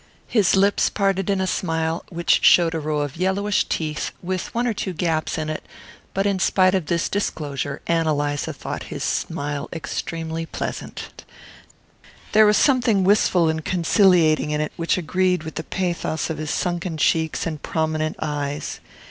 His lips parted in a smile which showed a row of yellowish teeth with one or two gaps in it; but in spite of this disclosure Ann Eliza thought his smile extremely pleasant: there was something wistful and conciliating in it which agreed with the pathos of his sunken cheeks and prominent eyes.